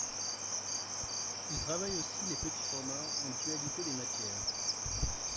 Il travaille aussi les petits formats en dualité des matières.